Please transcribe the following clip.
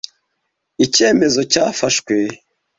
Icyemezo cyafashwe.